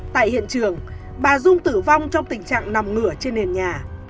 tại hiện trường bà dung tử vong trong tình trạng nằm ngửa trên nền nhà